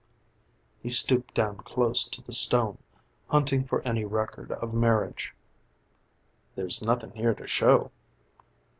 He stooped down close to the stone, hunting for any record of marriage. "There's nothing here to show."